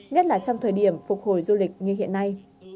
nhất là trong thời điểm phục hồi du lịch như hiện nay